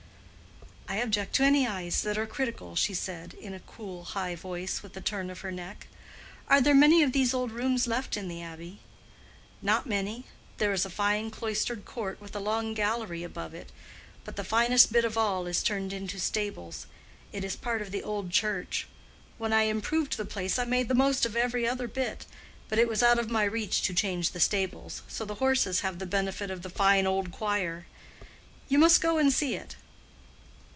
"I object to any eyes that are critical," she said, in a cool, high voice, with a turn of her neck. "Are there many of these old rooms left in the Abbey?" "Not many. There is a fine cloistered court with a long gallery above it. But the finest bit of all is turned into stables. It is part of the old church. When I improved the place I made the most of every other bit; but it was out of my reach to change the stables, so the horses have the benefit of the fine old choir. You must go and see it."